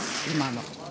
今の。